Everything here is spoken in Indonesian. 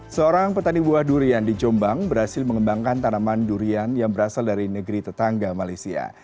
seorang petani buah durian di jombang berhasil mengembangkan tanaman durian yang berasal dari negeri tetangga malaysia